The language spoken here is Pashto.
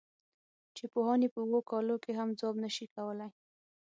چې پوهان یې په اوو کالو کې هم ځواب نه شي کولای.